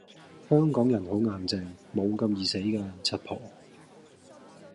香港人好硬淨，無咁易死架，柒婆